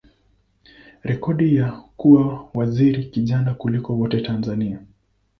rekodi ya kuwa waziri kijana kuliko wote Tanzania.